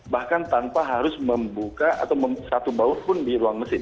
bahkan tanpa harus membuka atau satu baut pun di ruang mesin